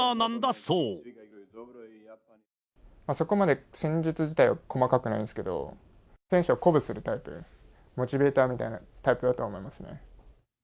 そこまで戦術自体は細かくないんですけど、選手を鼓舞するタイプ、モチベーターみたいなタイプだとは思いますね。